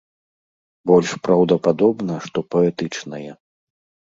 Больш праўдападобна, што паэтычнае.